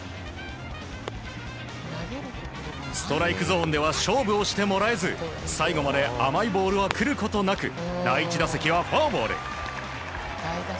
ストライクゾーンでは勝負をしてもらえず最後まで甘いボールは来ることなく第１打席はフォアボール。